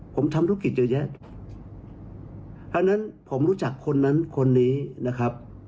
ผมทำธุรกิจเยอะแยะเพราะฉะนั้นผมรู้จักคนนั้นคนนี้นะครับ